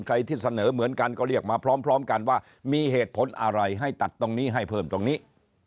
ที่เสนอเหมือนกันก็เรียกมาพร้อมกันว่ามีเหตุผลอะไรให้ตัดตรงนี้ให้เพิ่มตรงนี้